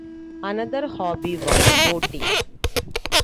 Another hobby was boating.